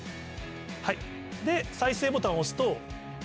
はいで再生ボタンを押すと。